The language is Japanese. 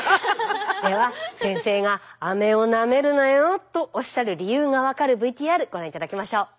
では先生が「アメをなめるなよ」とおっしゃる理由が分かるＶＴＲご覧頂きましょう。